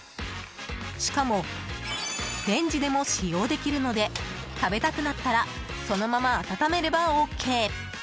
しかもレンジでも使用できるので食べたくなったらそのまま温めればＯＫ！